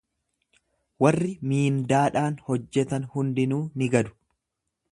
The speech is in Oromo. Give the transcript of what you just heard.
Warri miindaadhaan hojjetan hundinuu ni gadu.